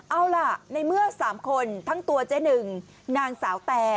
เอาล่ะในเมื่อ๓คนทั้งตัวเจ๊หนึ่งนางสาวแต่